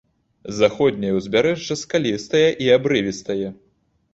Заходняе ўзбярэжжа скалістае і абрывістае.